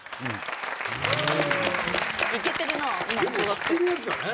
知ってるやつだね。